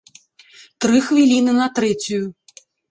Тры хвіліны на трэцюю.